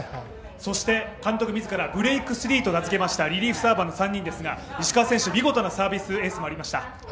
そして監督自ら、ブレイクスリーと名付けました３人ですが石川選手、見事なサービスエースもありました。